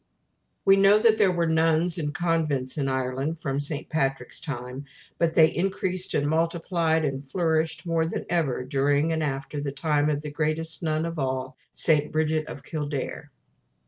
We know that there were nuns and convents in Ireland from St. Patrick's time, but they increased and multiplied, and flourished more than ever during and after the time of the greatest nun of all St. Brigit of Kildare.